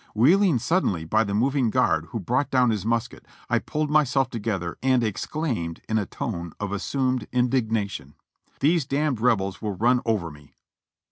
Wheeling suddenly by the moving guard, who brought down his musket, I pulled myselt together and exclaimed in a tone of assumed indignation : "These d Rebels will run over me!"